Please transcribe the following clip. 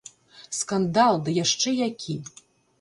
Скандал, ды яшчэ які.